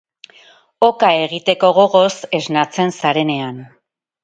Oka egiteko gogoz esnatzen zarenean.